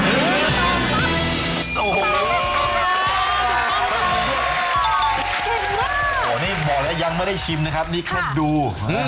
โอ้โหนี่บอกแล้วยังไม่ได้ชิมนะครับนี่แค่ดู